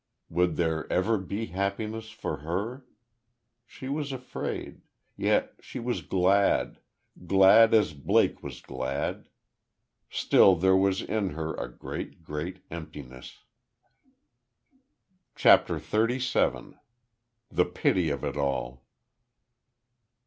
Would there ever be happiness for her? She was afraid.... Yet she was glad glad as Blake was glad Still there was in her a great, great emptiness. CHAPTER THIRTY SEVEN. THE PITY OF IT ALL.